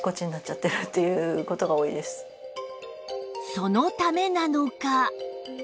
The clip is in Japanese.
そのためなのか